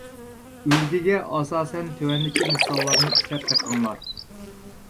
ئۈلگىگە ئاساسەن تۆۋەندىكى مىساللارنى ئىشلەپ بېقىڭلار.